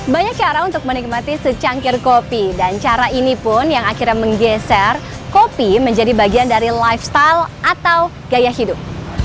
banyak cara untuk menikmati secangkir kopi dan cara ini pun yang akhirnya menggeser kopi menjadi bagian dari lifestyle atau gaya hidup